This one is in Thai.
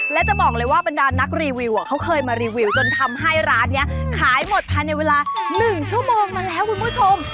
และจะบอกเลยว่าบรรดานนักรีวิวเขาเคยมารีวิวจนทำให้ร้านนี้ขายหมดภายในเวลา๑ชั่วโมงมาแล้วคุณผู้ชม